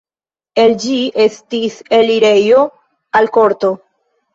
El ĝi estis elirejo al korto.